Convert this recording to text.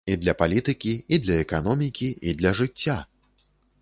І для палітыкі, і для эканомікі, і для жыцця!